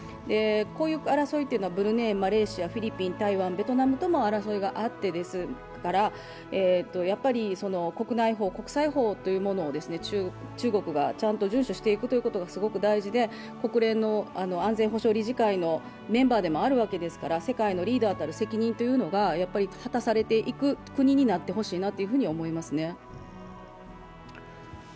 こういう争いというのは、ブルネイ、マレーシア、フィリピン、台湾、ベトナムとも争いがあって、国内法、国際法というものを中国がちゃんと遵守していくことがすごく大事で国連の安全保障理事会のメンバーでもあるわけですから世界のリーダーたる責任というのが果たされていく国になってほしいなと思いますね。